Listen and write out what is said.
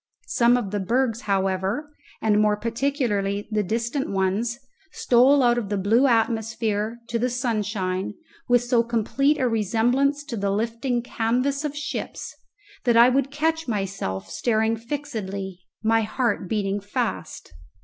Some of the bergs, however, and more particularly the distant ones, stole out of the blue atmosphere to the sunshine with so complete a resemblance to the lifting canvas of ships that I would catch myself staring fixedly, my heart beating fast.